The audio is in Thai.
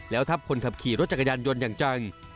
แล้วทับคนขับขี่รถจักรยานยนต์อย่างจัง